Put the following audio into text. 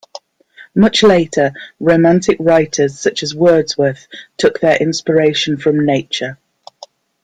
Much later, Romantic writers such as Wordsworth took their inspiration from nature.